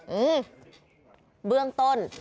อืมเบื้องต้น